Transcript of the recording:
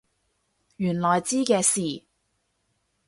原來知嘅事？